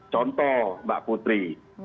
contoh mbak putri